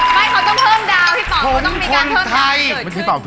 ไม่เขาต้องเพิ่มดาวน์พี่บอลก็ต้องมีการเพิ่มดาวน์